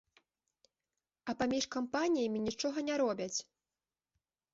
А паміж кампаніямі нічога не робяць!